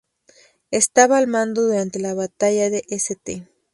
Estaba al mando durante la Batalla de St.